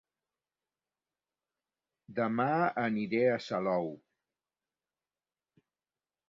Dema aniré a Salou